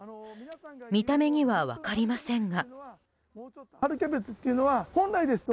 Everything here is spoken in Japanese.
見た目には分かりませんが。